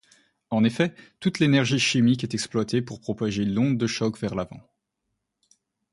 En effet, toute l'énergie chimique est exploitée pour propager l'onde de choc vers l'avant.